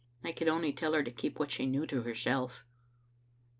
" I could only tell her to keep what she knew to herself.